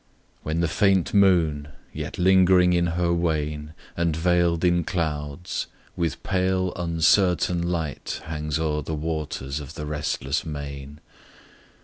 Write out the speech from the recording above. When the faint moon, yet lingering in her wane, And veil'd in clouds, with pale uncertain light Hangs o'er the waters of the restless main.